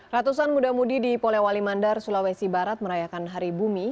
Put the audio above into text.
ratusan muda mudi di polewali mandar sulawesi barat merayakan hari bumi